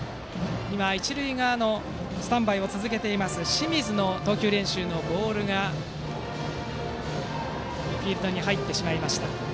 一塁側でスタンバイを続けている清水の投球練習のボールがフィールドに入ってしまいました。